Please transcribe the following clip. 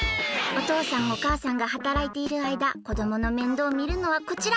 おとうさんおかあさんがはたらいているあいだこどものめんどうをみるのはこちら！